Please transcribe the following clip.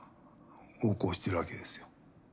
横行してるわけですよ。